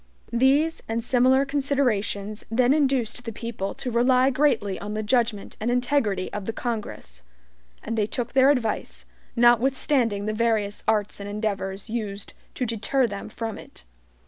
These and similar considerations then induced the people to rely greatly on the judgment and integrity of the Congress; and they took their advice, notwithstanding the various arts and endeavors used to deter them from it.